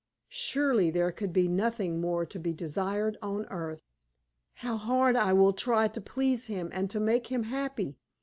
Surely there could be nothing more to be desired on earth. "How hard I will try to please him and to make him happy!"